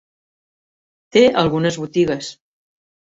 Té algunes botigues.